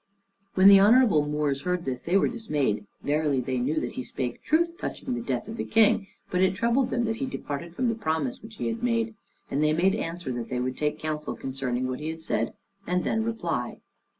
When the honorable Moors heard this, they were dismayed; verily they knew that he spake truth touching the death of the King, but it troubled them that he departed form the promise which he had made; and they made answer that they would take counsel concerning what he had said, and then reply.